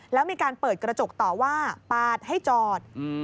แล้วมีการเปิดกระจกต่อว่าปาดให้จอด